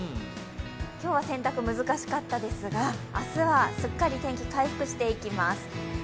今日は洗濯難しかったですが、明日はすっかり天気が回復していきます。